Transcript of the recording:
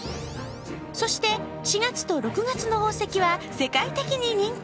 そして、４月と６月の宝石は世界的に人気。